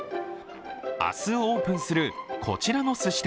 明日オープンするこちらのすし店。